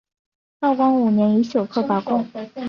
道光五年乙酉科拔贡。